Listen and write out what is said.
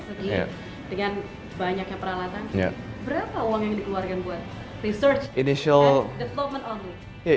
segi dengan banyaknya peralatan berapa uang yang dikeluarkan buat research initial and development only